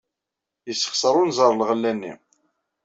Yessexṣer unẓar lɣella-nni.